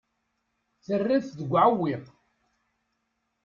Terra-t deg uɛewwiq.